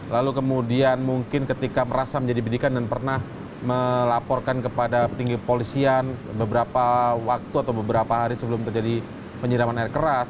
lalu kemudian mungkin ketika merasa menjadi bidikan dan pernah melaporkan kepada petinggi polisian beberapa waktu atau beberapa hari sebelum terjadi penyiraman air keras